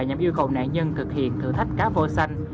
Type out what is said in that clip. nhằm yêu cầu nạn nhân thực hiện thử thách cá vô xanh